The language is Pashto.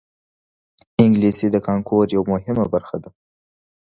انګلیسي د کانکور یوه مهمه برخه ده